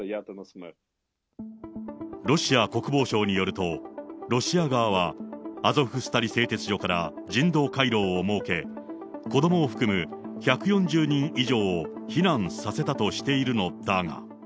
ロシア国防省によると、ロシア側はアゾフスタリ製鉄所から人道回廊を設け、子どもを含む１４０人以上を避難させたとしているのだが。